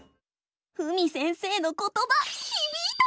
ふみ先生のことばひびいた！